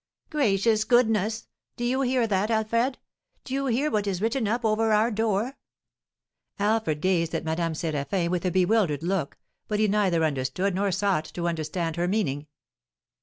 '" "Gracious goodness! Do you hear that, Alfred? Do you hear what is written up over our door?" Alfred gazed at Madame Séraphin with a bewildered look, but he neither understood nor sought to understand her meaning.